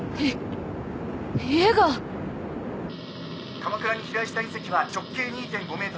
鎌倉に飛来した隕石は直径２．５ｍ。